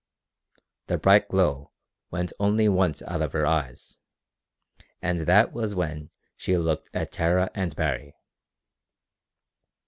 The bright glow went only once out of her eyes, and that was when she looked at Tara and Baree.